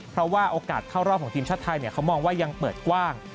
เพราะว่าโอกาสเข้ารอบของทีมชาติไทยเขามองว่ายังเปิดกว้าง